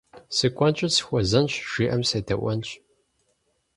Сыкӏуэнщи сыхуэзэнщ, жиӏэм седэӏуэнщ.